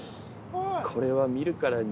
これは見るからに。